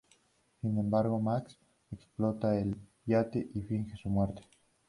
Sin embargo, Max explota el yate y finge su muerte.